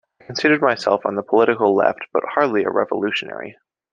I considered myself on the political left, but hardly a revolutionary.